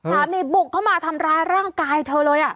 บุกเข้ามาทำร้ายร่างกายเธอเลย